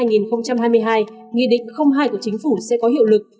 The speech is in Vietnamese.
nghị định hai của chính phủ sẽ có hiệu lực